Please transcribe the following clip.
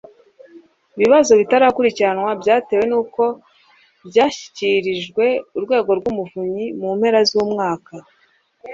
Ibibazo bitarakurikiranwa byatewe n uko byashyikirijwe Urwego rw Umuvunyi mu mpera z umwaka